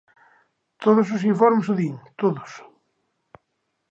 Todos os informes o din, todos.